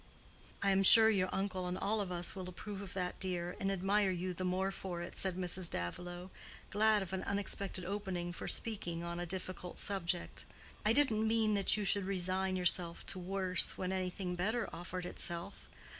"I am sure your uncle and all of us will approve of that, dear, and admire you the more for it," said Mrs. Davilow, glad of an unexpected opening for speaking on a difficult subject. "I didn't mean that you should resign yourself to worse when anything better offered itself.